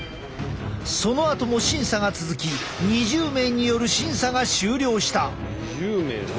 そのあとも審査が続き２０名による審査が終了した。